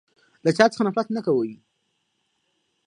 له چا څخه نفرت نه کوی.